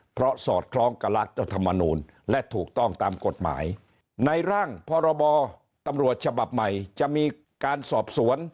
เพราะสอดคล้องกับรัฐธรรมนูลและถูกต้องตามกฎหมายในร่างพรบตำรวจฉบับใหม่จะมีการสอบสวน